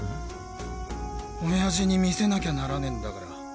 親父に見せなきゃならねぇんだから。